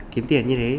kiếm tiền như thế